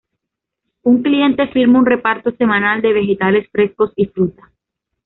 Un cliente firma un reparto semanal de vegetales frescos y fruta.